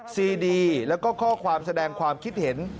ซีดีแล้วก็ข้อความแสดงความคิดเห็น